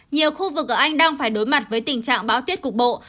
nhiều khu vực ở anh đang phải đối mặt với tình trạng báo tiết cục bộ